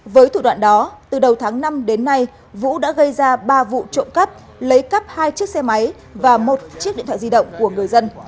với thủ đoạn đó từ đầu tháng năm đến nay vũ đã gây ra ba vụ trộm cắp lấy cắp hai chiếc xe máy và một chiếc điện thoại di động của người dân